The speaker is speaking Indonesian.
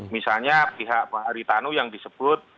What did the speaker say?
misalnya pihak pak haritanu yang disebut